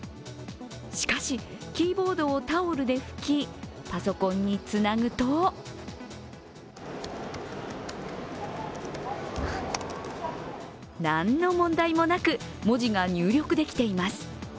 しかしキーボードをタオルで拭きパソコンにつなぐと何の問題もなく文字が入力できています。